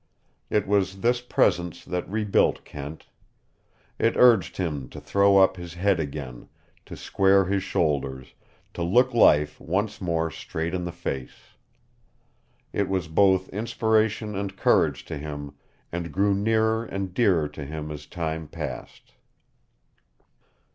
It was this Presence that rebuilt Kent. It urged him to throw up his head again, to square his shoulders, to look life once more straight in the face. It was both inspiration and courage to him and grew nearer and dearer to him as time passed.